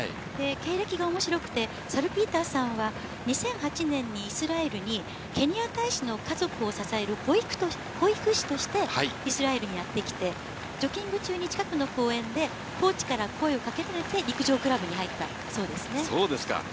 経歴がおもしろくて、サルピーターさんは、２００８年にイスラエルにケニア大使の家族を支える保育士として、イスラエルにやって来て、ジョギング中に近くの公園でコーチから声をかけられて、陸上クラそうですか。